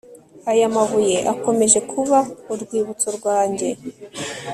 Aya mabuye akomeje kuba urwibutso rwanjye